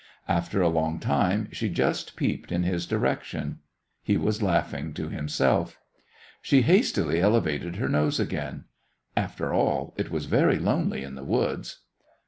After a long time she just peeped in his direction. He was laughing to himself. She hastily elevated her nose again. After all it was very lonely in the woods.